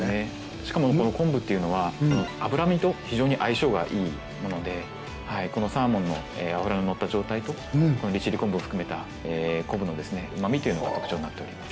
しかもこの昆布っていうのは脂身と非常に相性がいいものでこのサーモンの脂ののった状態とこの利尻昆布を含めた昆布の旨味というのが特徴になっております。